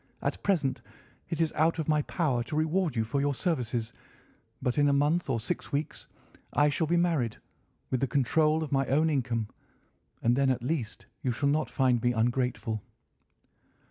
At present it is out of my power to reward you for your services, but in a month or six weeks I shall be married, with the control of my own income, and then at least you shall not find me ungrateful."